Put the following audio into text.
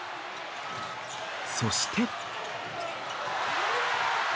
そして。